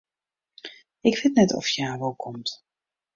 Ik wit net oft hja wol komt.